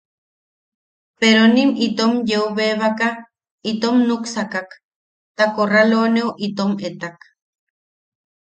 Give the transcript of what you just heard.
Peronim itom yeu bebaka itom nuksakak, ta korraloneu itom etak.